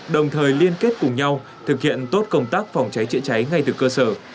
đồng thời liên kết cùng nhau thực hiện tốt công tác phòng cháy chữa cháy ngay từ cơ sở